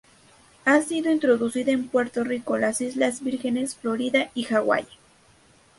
Ha sido introducida en Puerto Rico, las Islas Vírgenes, Florida y Hawái.